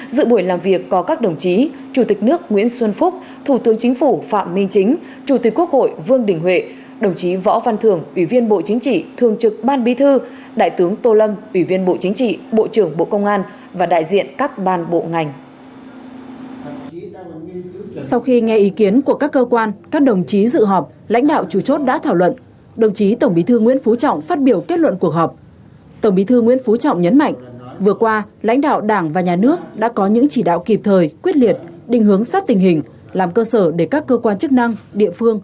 dự buổi làm việc có các đồng chí chủ tịch nước nguyễn xuân phúc thủ tướng chính phủ phạm minh chính chủ tịch quốc hội vương đình huệ